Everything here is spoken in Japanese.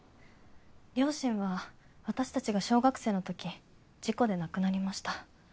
両親は私たちが小学生のとき事故で亡くなりました。